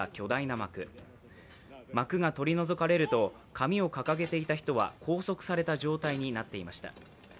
幕が取り除かれると、紙を掲げていた人は拘束された状態になっていました。